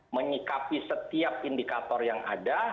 menyikapi setiap indikator yang ada